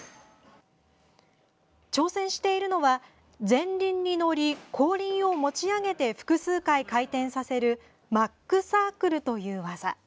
挑戦しているのは前輪に乗り、後輪を持ち上げて複数回、回転させる「マックサークル」という技。